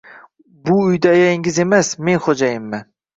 Bu uyda ayangiz emas, men xoʻjayinman